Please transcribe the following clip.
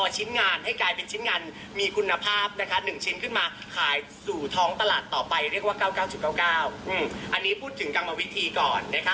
๑ชิ้นขึ้นมาขายสู่ท้องตลาดต่อไปเรียกว่า๙๙๙๙อันนี้พูดถึงกรรมวิธีก่อน